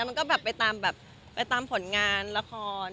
มันก็ไปตามผลงานละคร